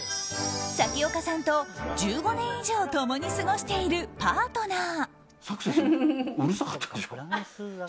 咲丘さんと１５年以上共に過ごしているパートナー。